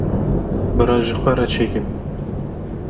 bira ji xwe re çê kin.